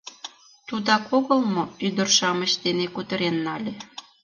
Тудак огыл мо ӱдыр-шамыч дене кутырен нале?